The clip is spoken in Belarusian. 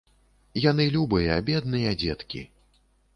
Яны любыя, бедныя дзеткі.